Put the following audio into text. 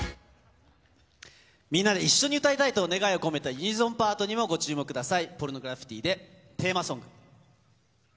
みんなで一緒に歌いたいと願いを込めてユニゾンパートにもご注目ください。